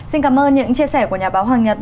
xin cảm ơn những chia sẻ của nhà báo hoàng nhật